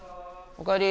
おかえり。